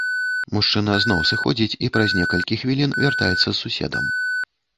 Мужчына зноў сыходзіць і праз некалькі хвілін вяртаецца з суседам.